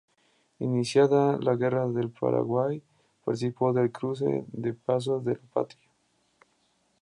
Iniciada la Guerra del Paraguay, participó del cruce de Paso de la Patria.